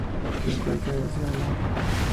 Se encuentra en el Asia Menor.